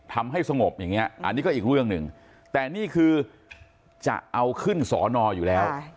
ทำให้สงบอย่างนี้อันนี้ก็อีกเรื่องหนึ่งแต่นี่คือจะเอาขึ้นสอนออยู่แล้ว